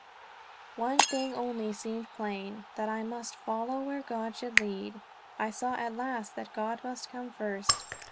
One thing only seemed plain, that I must follow where God should lead. I saw at last that God must come first.